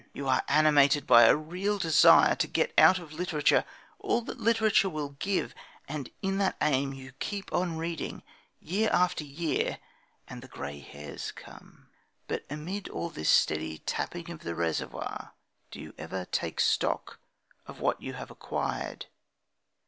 You are animated by a real desire to get out of literature all that literature will give. And in that aim you keep on reading, year after year, and the grey hairs come. But amid all this steady tapping of the reservoir, do you ever take stock of what you have acquired?